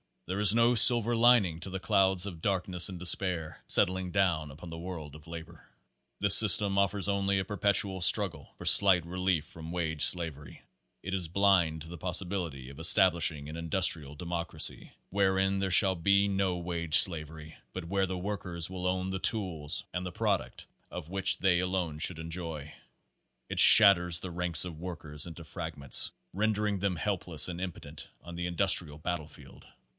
There is no silver lin ing to the clouds of darkness and despair settling down upon the world of labor. This system offers only a perpetual struggle for slight relief from wage slavery. It is blind to the pos sibility of establishing an industrial democracy, where in there shall be no wage slavery, but where the work ers will own the tools which they operate, and the prod uct of which they alone should enjoy. It shatters the ranks of the workers into fragments, rendering them helpless and impotent on the industrial battlefield.